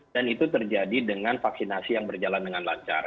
dan itu terjadi dengan vaksinasi yang berjalan dengan lancar